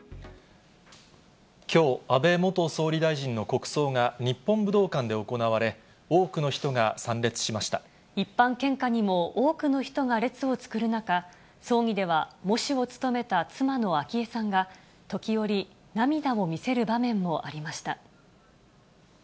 きょう、安倍元総理大臣の国葬が日本武道館で行われ、多くの人が参列しま葬儀では喪主を務めた妻の昭恵さんが、時折、涙を見せる場面もありました。